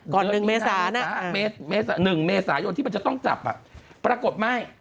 ก่อน๑เมสานะเมสานึงเมสาโยนที่มันจะต้องจับอ่ะปรากฏไม่